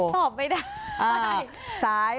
ตอบไม่ได้